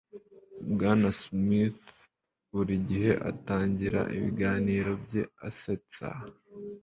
Bwana Smith buri gihe atangira ibiganiro bye asetsa.